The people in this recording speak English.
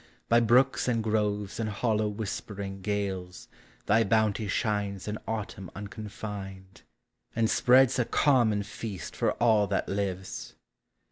By brooks and groves in hollow whispering gales Thy bounty shines in Autumn unconfined, And spreads a common feast for all that lives.